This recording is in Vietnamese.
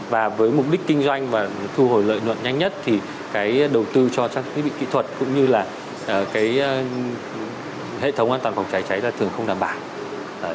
và với mục đích kinh doanh và thu hồi lợi luận nhanh nhất thì cái đầu tư cho trang trí kỹ thuật cũng như là hệ thống an toàn phòng cháy cháy là thường không đảm bảo